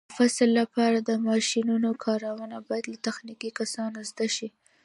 د فصل لپاره د ماشینونو کارونه باید له تخنیکي کسانو زده شي.